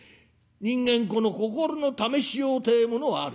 人間この心の試しようてえものはあるよ。